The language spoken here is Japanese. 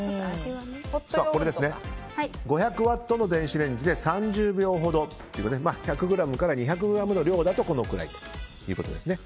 ５００ワットの電子レンジで３０秒ほど１００ｇから２００ｇの量だとこのぐらいだということです。